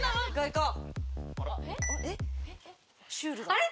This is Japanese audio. えっ？